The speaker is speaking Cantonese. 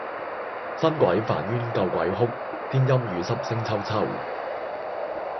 新鬼煩冤舊鬼哭，天陰雨濕聲啾啾！